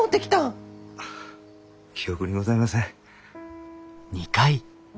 記憶にございません。